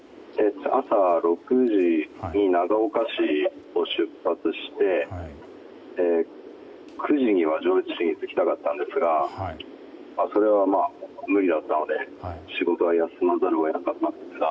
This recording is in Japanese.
朝６時に長岡市を出発して９時には上越市に行きたかったんですがそれは無理だったので、仕事は休まざるを得なかったんですが。